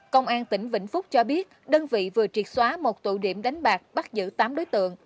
công an tỉnh vĩnh phúc cho biết đơn vị vừa triệt xóa một tụ điểm đánh bạc bắt giữ tám đối tượng